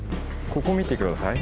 ここ見てください。